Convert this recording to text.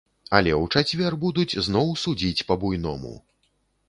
Але ў чацвер будуць зноў судзіць па-буйному.